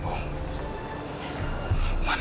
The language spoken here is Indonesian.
itu adalah pemberian om zahira